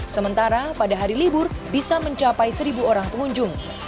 sementara pada hari libur bisa mencapai seribu orang pengunjung